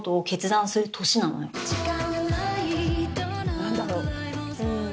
何だろう？